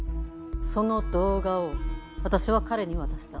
その動画を私は彼に渡した。